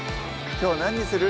きょう何にする？